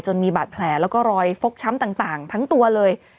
มีบาดแผลแล้วก็รอยฟกช้ำต่างทั้งตัวเลย